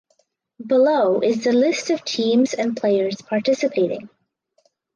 Below is the list of teams and players participating.